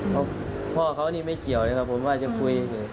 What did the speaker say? เพราะพ่อเขานี่ไม่เกี่ยวเลยครับผมว่าจะคุย